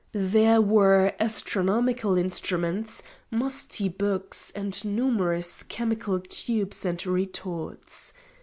There were astronomical instruments, musty books, and numerous chemical tubes and retorts.